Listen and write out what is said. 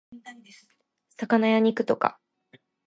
魚や肉とか